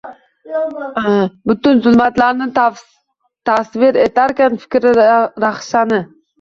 Butun zulmatlarni tasvir etarkan fikri rahshani